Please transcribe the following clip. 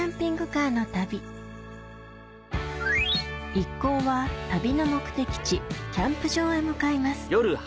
一行は旅の目的地キャンプ場へ向かいます